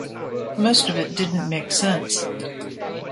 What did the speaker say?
Most of it didn't make sense